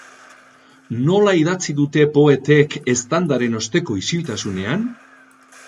Nola idatzi dute poetek eztandaren osteko isiltasunean?